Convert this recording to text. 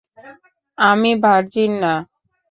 আমি ভার্জিন না।